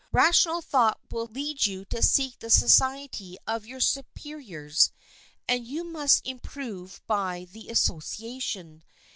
Rational thought will lead you to seek the society of your superiors, and you must improve by the association.